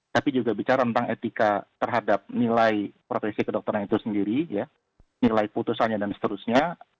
tapi juga bicara tentang etika terhadap nilai profesi kedokteran itu sendiri ya nilai putusannya dan seterusnya